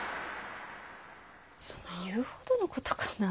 そんな言うほどのことかな。